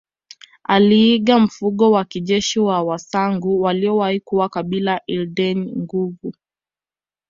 Aliiga mfumo wa kijeshi wa wasangu waliowahi kuwa kabila ldnye nguvu